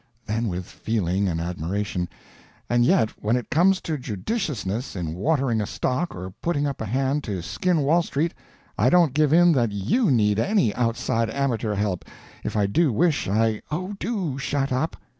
Then, with feeling and admiration, "And yet, when it comes to judiciousness in watering a stock or putting up a hand to skin Wall Street I don't give in that _you _need any outside amateur help, if I do wish I " "Oh, do shut up!